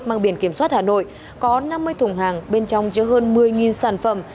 mang biển kiểm soát hà nội có năm mươi thùng hàng bên trong chứa hơn một mươi sản phẩm